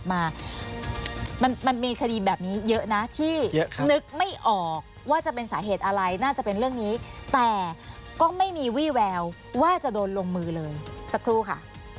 มันมีคดีแบบนี้เยอะนะที่นึกไม่ออกว่าจะเป็นสาเหตุอะไรน่าจะเป็นเรื่องนี้แต่ก็ไม่มีวี่แววว่าจะโดนลงมือเลยสักครู่ค่ะ